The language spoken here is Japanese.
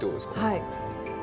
はい。